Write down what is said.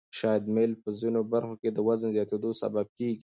شدید میل په ځینو برخو کې د وزن زیاتېدو سبب کېږي.